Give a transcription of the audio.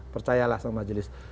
percayalah sama majelis